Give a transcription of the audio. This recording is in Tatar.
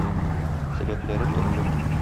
Сәбәпләре төрле.